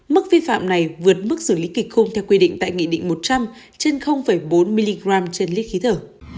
mức vi phạm này vượt mức xử lý kịch khung theo quy định tại nghị định một trăm linh trên bốn mg trên lít khí thở